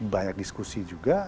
banyak diskusi juga